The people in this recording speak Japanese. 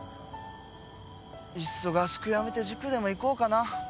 いっそ合宿やめて塾でも行こうかな。